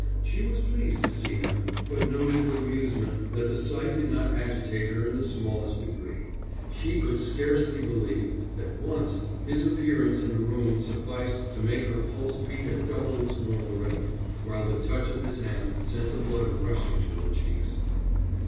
She was pleased to see him, but noted with amusement that the sight did not agitate her in the smallest degree. She could scarcely believe that once his appearance in a room sufficed to make her pulse beat at double its normal rate, while the touch of his hand sent the blood rushing to her cheeks.